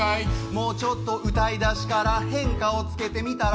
もうちょっと歌いだしから変化をつけてみたら？